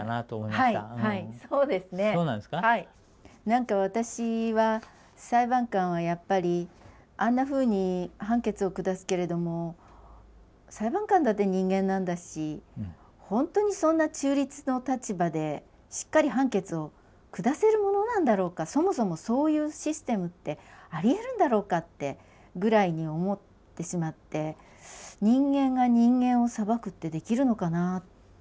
何か私は裁判官はやっぱりあんなふうに判決を下すけれども裁判官だって人間なんだし本当にそんな中立の立場でしっかり判決を下せるものなんだろうかそもそもそういうシステムってありえるんだろうかってぐらいに思ってしまって人間が人間を裁くってできるのかな？なんて思ってたんですね。